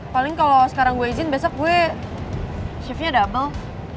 paling kalau sekarang gue izin besok gue shiftnya double